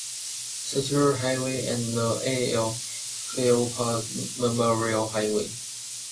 Stuart Highway and the A. L. Philpott Memorial Highway.